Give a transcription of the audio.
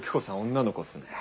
女の子っすね。